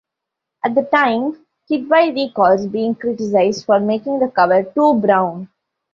At the time, Kidby recalls being criticised for making the cover "too brown".